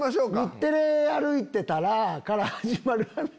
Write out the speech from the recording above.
「日テレ歩いてたら」から始まる話。